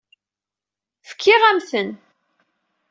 Fkiɣ-am-ten.